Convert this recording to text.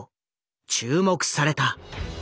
注目された。